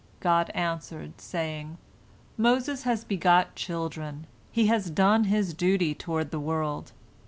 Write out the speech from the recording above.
God answered, saying, "Moses has begot children, he has done his duty toward the world.